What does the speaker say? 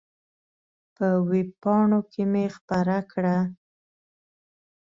په وېب پاڼو کې مې خپره کړه.